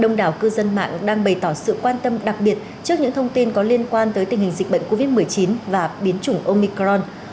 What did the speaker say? đông đảo cư dân mạng đang bày tỏ sự quan tâm đặc biệt trước những thông tin có liên quan tới tình hình dịch bệnh covid một mươi chín và biến chủng omicron